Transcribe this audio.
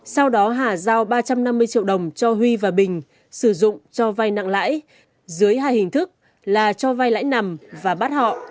sau đó hà giao ba trăm năm mươi triệu đồng cho huy và bình sử dụng cho vay nặng lãi dưới hai hình thức là cho vai lãi nằm và bắt họ